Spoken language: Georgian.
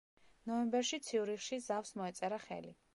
ნოემბერში ციურიხში ზავს მოეწერა ხელი.